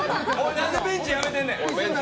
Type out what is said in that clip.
何でベンチやめてんねん！